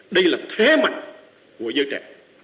đây là thế mạnh của dân trẻ